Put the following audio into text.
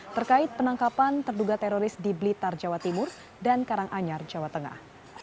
terkait penangkapan terduga teroris di blitar jawa timur dan karanganyar jawa tengah